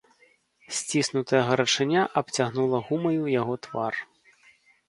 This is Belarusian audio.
Сціснутая гарачыня абцягнула гумаю яго твар.